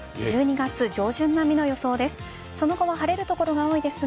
１２月上旬並みの予想です。